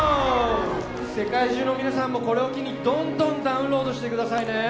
世界中の皆さんもこれを機にどんどんダウンロードしてくださいね